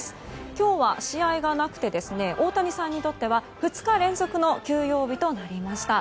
今日は試合がなくて大谷さんにとっては２日連続の休養日となりました。